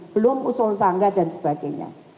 belum usul sangga dan sebagainya